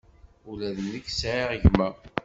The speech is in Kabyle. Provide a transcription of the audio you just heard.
Ula d nekk sɛiɣ gma.